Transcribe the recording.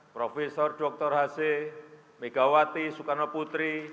profesor dr haseh megawati sukarno putri